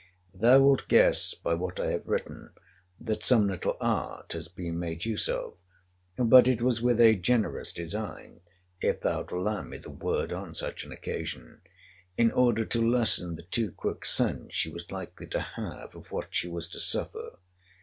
Thou wilt guess, by what I have written, that some little art has been made use of: but it was with a generous design (if thou'lt allow me the word on such an occasion) in order to lessen the too quick sense she was likely to have of what she was to suffer.